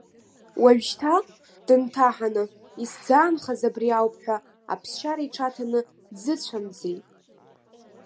Уажәшьҭа, дынҭаҳаны, исзаанхаз абри ауп ҳәа, аԥсшьара иҽаҭаны дзыцәамзеи?